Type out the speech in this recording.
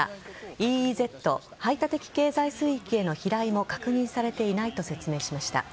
ＥＥＺ＝排他的経済水域への飛来も確認されていないと説明しました。